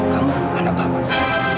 kamu anak bapak